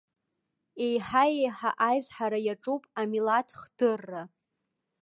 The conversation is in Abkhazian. Еиҳа-еиҳа аизҳара иаҿуп амилаҭ хдырра.